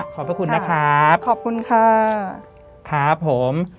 ขอบพระคุณนะครับขอบคุณค่ะครับผม